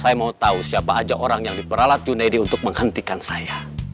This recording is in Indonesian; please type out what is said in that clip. saya mau tahu siapa aja orang yang diperalat junaidi untuk menghentikan saya